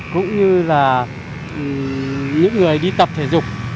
cũng như là những người đi tập thể dục